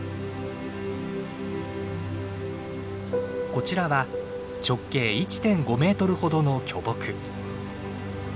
こちらは直径１．５メートルほどの巨木。